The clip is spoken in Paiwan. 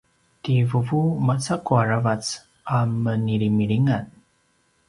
ti vuvu macaqu aravac a menilimilingan